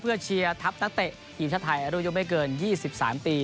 เพื่อเชียร์ทัพนักเตะทีมชาติไทยอายุไม่เกิน๒๓ปี